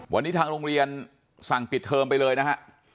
วันนี้ทางโรงเรียนสั่งปิดเทอมไปเลยนะฮะ